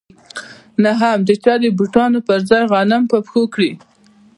نه هم چا د بوټانو پر ځای غنم په پښو کړي